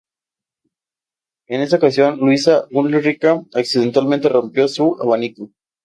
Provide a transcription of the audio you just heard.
En esta ocasión, Luisa Ulrica accidentalmente rompió su abanico.